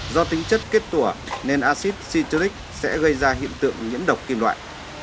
do tính chất kết tủa nên acid citric sẽ gây ra hiện tượng nhiễn độc kim loại